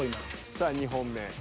さあ２本目。